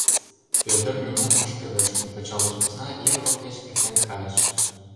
Пӧдыр нимом ыш пелеште, пычал деч посна ер воктеч эртен кайыш.